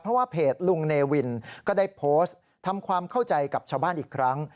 เพราะว่าเพจลุงเนวินก็ได้โพสต์ทำความเข้าใจกับชาวบ้านอีกครั้ง